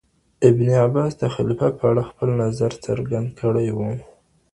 ابن عباس د خلیفه په اړه خپل نظر څرګند کړی و.